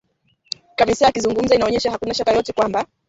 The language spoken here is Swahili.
Chamisa akizungumza inaonyesha hakuna shaka yoyote kwamba